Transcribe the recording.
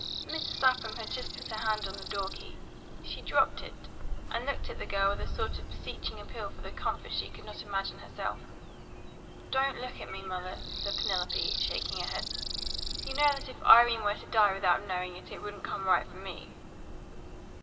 Mrs. Lapham had put her hand on the door key; she dropped it, and looked at the girl with a sort of beseeching appeal for the comfort she could not imagine herself. "Don't look at me, mother," said Penelope, shaking her head. "You know that if Irene were to die without knowing it, it wouldn't come right for me."